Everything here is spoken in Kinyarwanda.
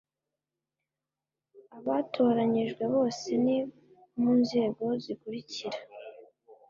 abatoranyijwe bose ni mu nzego zikurikira